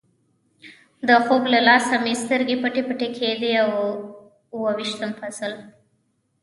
د خوب له لاسه مې سترګې پټې پټې کېدې، اوه ویشتم فصل.